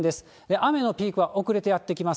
雨のピークは遅れてやって来ます。